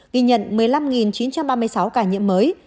ghi nhận một mươi năm chín trăm ba mươi sáu ca nhiễm mới